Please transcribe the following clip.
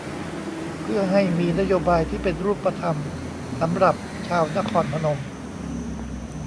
เพื่อให้มีนโยบายที่เป็นรูปธรรมสำหรับชาวนครพนม